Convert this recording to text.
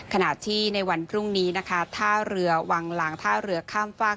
ขณะที่ในวันพรุ่งนี้นะคะท่าเรือวังลางท่าเรือข้ามฝาก